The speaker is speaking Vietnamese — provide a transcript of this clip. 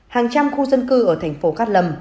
hàng trăm khu dân cư ở thành phố cát lâm